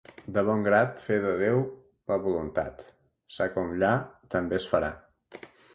De bon grat fer de Déu la voluntat; ça com lla, també es farà.